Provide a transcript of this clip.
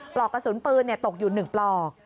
ปลอกกระสุนปืนตกอยู่๑ปลอก